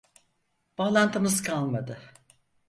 Bağlantımız kalmadı